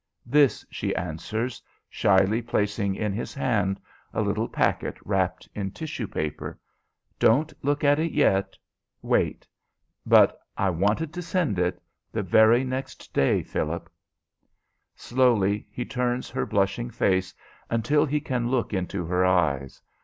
"This," she answers, shyly placing in his hand a little packet wrapped in tissue paper. "Don't look at it yet! Wait! But I wanted to send it the very next day, Philip." Slowly he turns her blushing face until he can look into her eyes.